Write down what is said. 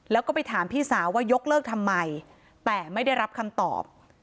แล้วก็ไปถามพี่สาวว่ายกเลิกทำไมแต่ไม่ได้รับคำตอบ